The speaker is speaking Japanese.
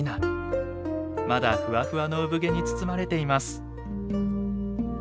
まだフワフワの産毛に包まれています。